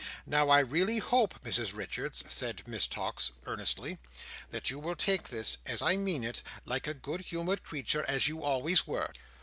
Now, I really hope, Mrs Richards," said Miss Tox, earnestly, "that you will take this, as I mean it, like a good humoured creature, as you always were."